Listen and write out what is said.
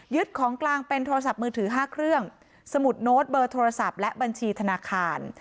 ของกลางเป็นโทรศัพท์มือถือ๕เครื่องสมุดโน้ตเบอร์โทรศัพท์และบัญชีธนาคาร